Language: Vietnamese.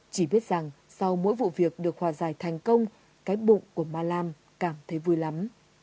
chỉ biết rằng sau mỗi vụ việc được hòa giải thành công cái bụng của malam cảm thấy vui lắm